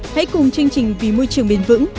hãy cùng chương trình vì môi trường bền vững